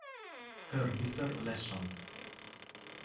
Her Bitter Lesson